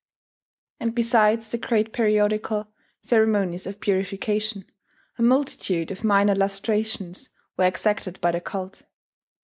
And besides the great periodical ceremonies of purification, a multitude of minor lustrations were exacted by the cult.